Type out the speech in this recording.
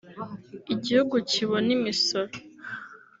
igihugu kibona imisoro